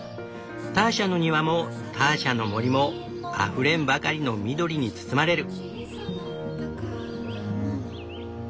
ターシャの庭もターシャの森もあふれんばかりの緑に包まれる。